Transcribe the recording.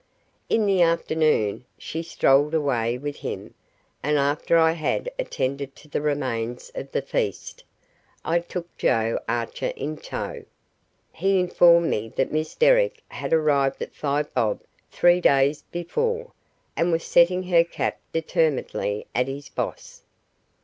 In the afternoon she strolled away with him, and after I had attended to the remains of the feast, I took Joe Archer in tow. He informed me that Miss Derrick had arrived at Five Bob three days before, and was setting her cap determinedly at his boss.